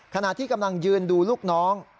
ขณะที่กำลังยืนดูลูกน้อง